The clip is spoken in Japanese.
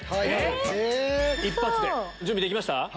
えっ⁉準備できました？